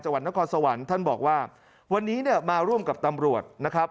จวันนครสวรรค์ท่านบอกว่าวันนี้มาร่วมกับตำรวจ